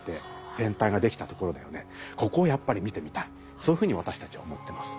そういうふうに私たちは思ってます。